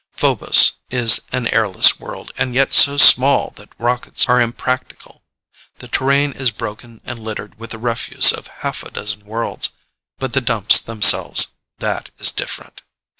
Phobos is an airless world, and yet so small that rockets are impractical. The terrain is broken and littered with the refuse of half a dozen worlds, but the Dumps themselves that is different.